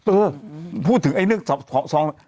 เออพูดถึงไอ้เนื้อซอง